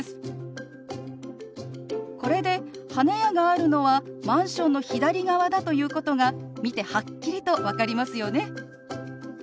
これで花屋があるのはマンションの左側だということが見てはっきりと分かりますよね。